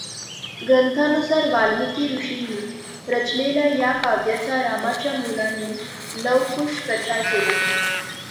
ग्रंथानुसार वाल्मीकी ऋषींनी रचलेल्या या काव्याचा रामाच्या मुलांनी लव कुश प्रचार केला.